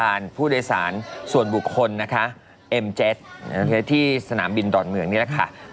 มันเป็นเด็กควรภูมิผ่วยงคน